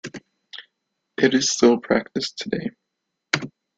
It is still practiced today.